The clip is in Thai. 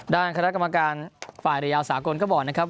ด้านคณะกรรมการฝ่ายระยาวสากลก็บอกนะครับ